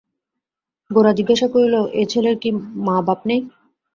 গোরা জিজ্ঞাসা করিল, এ ছেলের কি মা-বাপ নেই?